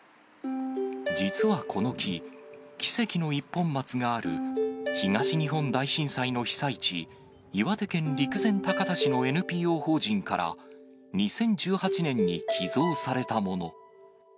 実はこの木、奇跡の一本松がある東日本大震災の被災地、岩手県陸前高田市のＮＰＯ法人から２０１８年に寄贈されたもの。